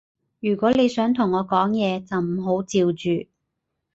如果你想同我講嘢，就唔好嚼住